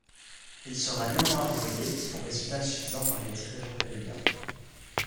Il sera néanmoins renvoyé pour résultats insuffisant par les dirigeants péruviens.